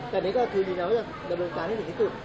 แต่นี่ก็คืออยู่น้ำน้ำน้ำกายให้ถึงที่สุด